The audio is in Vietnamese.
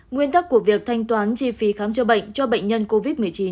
nguyên tắc của việc thanh toán chi phí khám chữa bệnh cho bệnh nhân covid một mươi chín